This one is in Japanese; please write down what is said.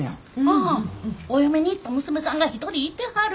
ああお嫁に行った娘さんが１人いてはる。